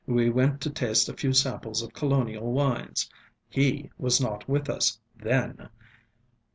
We went to taste a few samples of colonial wines. He was not with us then.